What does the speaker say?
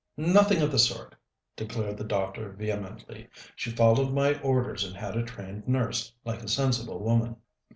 "Nothing of the sort!" declared the doctor vehemently. "She followed my orders and had a trained nurse, like a sensible woman.